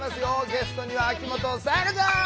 ゲストには秋元才加ちゃん。